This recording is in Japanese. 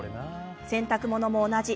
洗濯物も同じ。